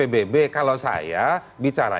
beri keputusan di pagi